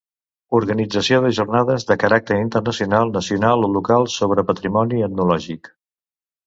Organització de jornades de caràcter internacional, nacional o local sobre patrimoni etnològic.